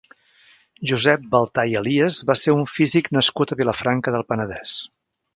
Josep Baltà i Elias va ser un físic nascut a Vilafranca del Penedès.